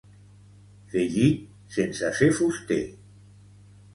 Fer llit sense ser fuster.